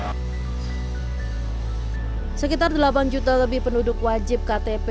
sekitar delapan juta lebih penduduk wajib ktp